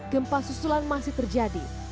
gempa susulan masih terjadi